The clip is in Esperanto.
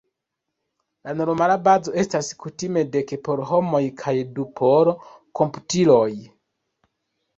La normala bazo estas kutime dek por homoj kaj du por komputiloj.